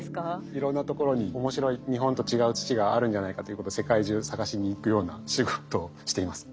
いろんなところに面白い日本と違う土があるんじゃないかということ世界中探しに行くような仕事をしています。